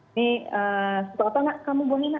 ini setelah apa nggak kamu buangin nak